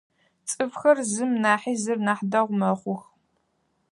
Цӏыфхэр зым нахьи зыр нахь дэгъу мэхъух.